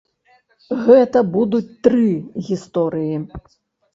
Гэта будуць тры гісторыі.